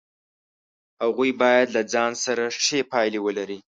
هغوی باید له ځان سره ښې پایلې ولري.